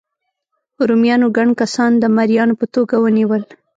رومیانو ګڼ کسان د مریانو په توګه ونیول.